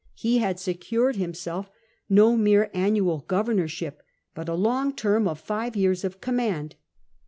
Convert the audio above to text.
He had secured himself no mere annual governorship, but a long term of five years of command.